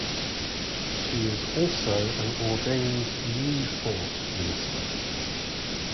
She is also an ordained New Thought minister.